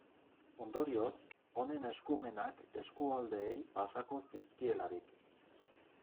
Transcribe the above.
Ondorioz, honen eskumenak eskualdeei pasako zizkielarik.